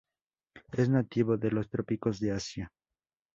Es nativo de los trópicos de Asia.